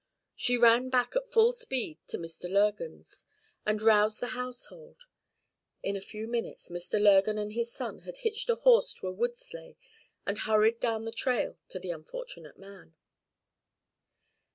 She ran back at full speed to Mr. Lurgan's, and roused the household. In a few minutes Mr. Lurgan and his son had hitched a horse to a wood sleigh, and hurried down the trail to the unfortunate man.